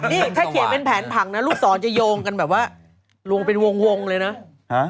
นี่ถ้าเขียนเป็นแผนผังนะลูกศรจะโยงกันแบบว่า